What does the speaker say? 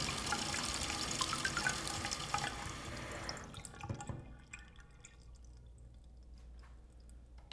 سالهاست که حرفهی او نویسندگی است.